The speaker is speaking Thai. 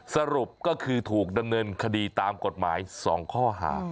สรุปก็คือถูกดำเนินคดีตามกฎหมาย๒ข้อหา